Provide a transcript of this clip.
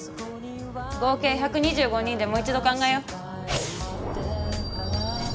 合計１２５人でもう一度考えよう。